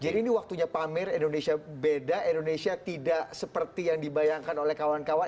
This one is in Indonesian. jadi ini waktunya pamer indonesia beda indonesia tidak seperti yang dibayangkan oleh kawan kawan